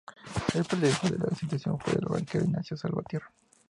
El presidente de la institución fue el banquero Ignacio Salvatierra.